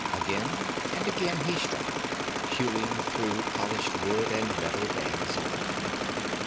Again and again he struck, hewing through polished wood and metal bands alike.